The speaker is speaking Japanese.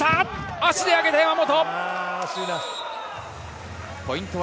足で上げた山本。